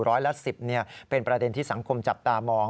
ร้อยละ๑๐เป็นประเด็นที่สังคมจับตามอง